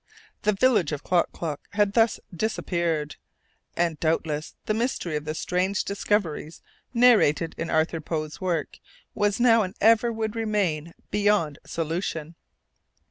The village of Klock Klock had thus disappeared; and doubtless the mystery of the strange discoveries narrated in Edgar Poe's work was now and ever would remain beyond solution.